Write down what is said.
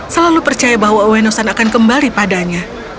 selalu percaya bahwa ueno san akan kembali padanya